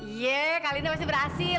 iya kali ini pasti berhasil